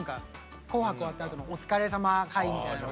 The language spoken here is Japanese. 「紅白」終わったあとのお疲れさま会みたいな。